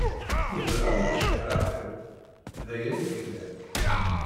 Ur bɣiɣ ara ad yejreḥ ḥedd, d aya i yellan.